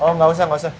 oh gak usah gak usah